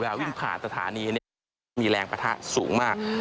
เวลาวิ่งผ่านตรฐานีมีแรงประทะสูงมาก